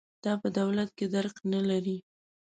دا په دولت کې درک نه لري.